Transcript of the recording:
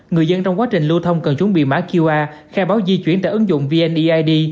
người dân trong quá trình lưu thông cần chuẩn bị mã qr khai báo di chuyển tại ứng dụng vneid